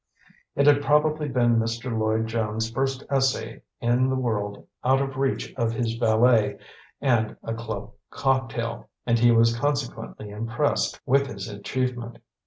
It had probably been Mr. Lloyd Jones' first essay in the world out of reach of his valet and a club cocktail; and he was consequently impressed with his achievement.